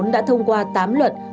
đã thông qua tám luật